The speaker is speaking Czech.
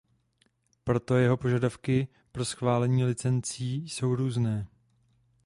Proto jeho požadavky pro schvalování licencí jsou různé.